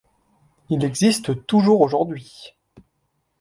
Il existe toujours aujourd'hui.